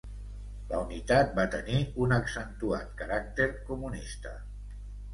La unitat va tenir un accentuat caràcter comunista.